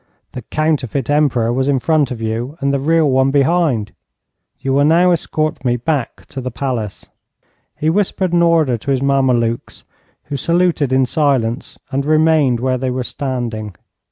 The counterfeit Emperor was in front of you and the real one behind. You will now escort me back to the palace.' He whispered an order to his Mamelukes, who saluted in silence and remained where they were standing.